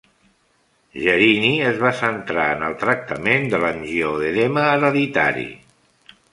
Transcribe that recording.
Jerini es va centrar en el tractament de l'angioedema hereditari.